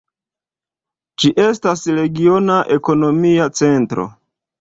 Ĝi estas regiona ekonomia centro.